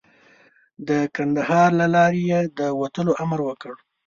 د کندهار له لارې یې د وتلو امر وکړ.